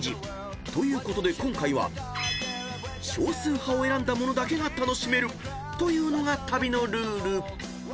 ということで今回は少数派を選んだ者だけが楽しめるというのが旅のルール］